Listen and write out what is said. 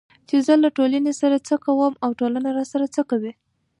چې زه له ټولنې سره څه کوم او ټولنه راسره څه کوي